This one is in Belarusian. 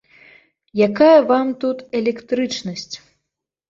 Якая вам тут электрычнасць!